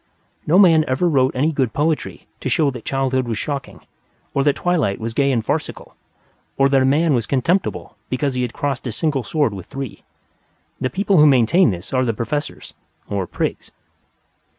No man ever wrote any good poetry to show that childhood was shocking, or that twilight was gay and farcical, or that a man was contemptible because he had crossed his single sword with three. The people who maintain this are the Professors, or Prigs.